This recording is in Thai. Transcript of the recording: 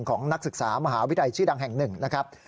นักศึกษามหาวิทยาลัยชื่อดังแห่งหนึ่งนะครับ